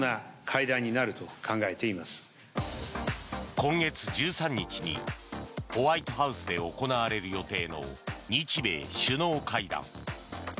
今月１３日にホワイトハウスで行われる予定の日米首脳会談。